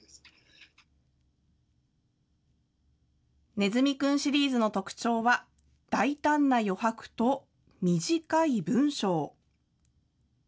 ネズミくんシリーズの特徴は、大胆な余白と短い文章。